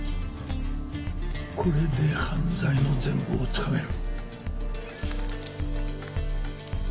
これで犯罪の全貌をつかめる。